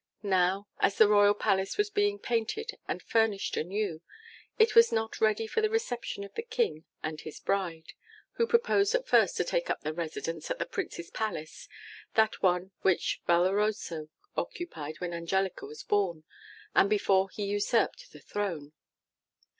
Now, as the royal palace was being painted and furnished anew, it was not ready for the reception of the King and his bride, who proposed at first to take up their residence at the Prince's palace, that one which Valoroso occupied when Angelica was born, and before he usurped the throne.